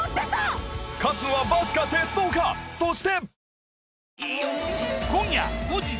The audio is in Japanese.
そして。